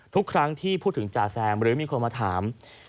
ทุกครั้งที่พูดถึงจ่าแซมหรือมีคนมาถาม